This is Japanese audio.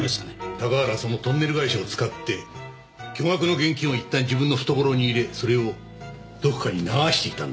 高原はそのトンネル会社を使って巨額の現金を一旦自分の懐に入れそれをどこかに流していたんだろう。